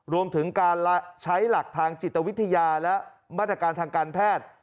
รวมถึงการใช้หลักทางจิตวิทยาและมาตรการทางการแพทย์